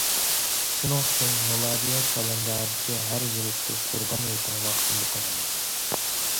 شۇنىڭ ئۈچۈن، مىلادىيە كالېندارىدىكى ھەر يىلقى قۇربان ھېيتنىڭ ۋاقتى مۇقىم ئەمەس.